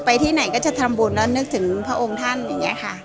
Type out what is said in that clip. ไปที่ไหนก็จำนึกถึงพระองค์ท่าน